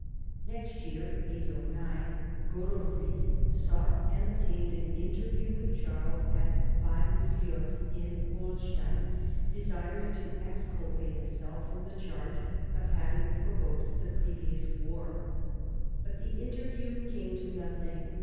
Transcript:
Next year (809) Godofrid sought and obtained an interview with Charles at Badenfliot (in Holstein), desiring to exculpate himself from the charge of having provoked the previous war. But the inter view came to nothing.